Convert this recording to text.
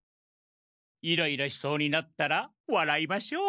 イライラしそうになったらわらいましょう！